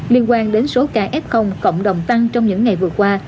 liên quan đến số ca f cộng đồng tăng trong những ngày vừa qua